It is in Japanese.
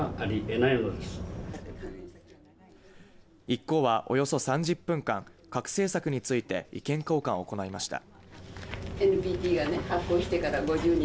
一行は、およそ３０分間核政策について意見交換を行いました。